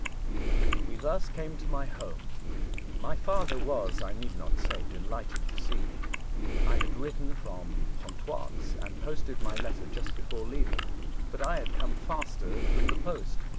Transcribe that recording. We thus came to my home. My father was, I need not say, delighted to see me. I had written from Pontoise, and posted my letter just before leaving ; but I had come faster than the post.